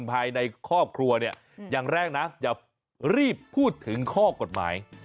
ภายในครอบครัวเนี่ยอย่างแรกนะอย่ารีบพูดถึงข้อกฎหมาย